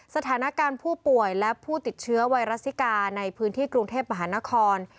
สถานการณ์ผู้ป่วยและผู้ติดเชื้อไวรัสซิกาในพื้นที่กรุงเทพมหานคร